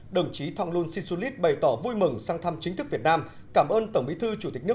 đồng chí thọng luân sinsulit bày tỏ vui mừng sang thăm chính thức việt nam cảm ơn tổng bí thư chủ tịch nước